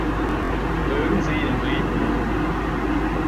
Mögen sie in Frieden ruhen.